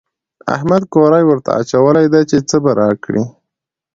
احمد کوری ورته اچولی دی چې څه به راکړي.